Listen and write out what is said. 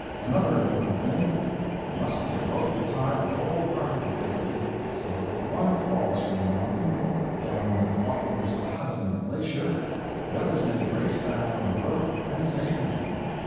Another important thing there must be a rope to tie the whole party together with, so that if one falls from a mountain or down a bottomless chasm in a glacier, the others may brace back on the rope and save him.